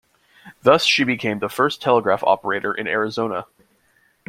Thus she became the first telegraph operator in Arizona.